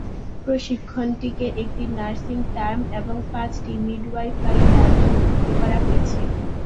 প্রশিক্ষণটিকে একটি nursing term এবং পাঁচটি মিডওয়াইফারি টার্মে বিভক্ত করা হয়েছে।